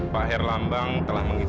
pak herlambang telah menggitamu